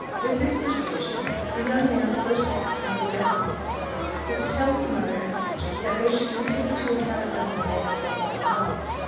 With this persuasion, the young man's first act on the death of his father was to tell his mother and sisters that they should continue to inhabit the home they had so long loved.